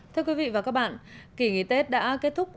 thưa quý vị và các bạn kỳ nghỉ tết đã kết thúc